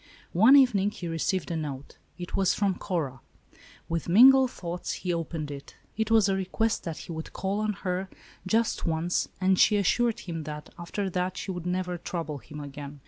One evening he received a note. It was from Cora. With mingled thoughts he opened it. It was a request that he would call on her, just once, and she assured him that, after that, she would never trouble him again.